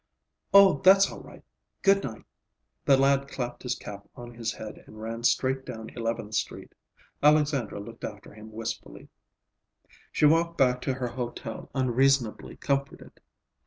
"Oh, that's all right! Good night." The lad clapped his cap on his head and ran straight down Eleventh Street. Alexandra looked after him wistfully. She walked back to her hotel unreasonably comforted.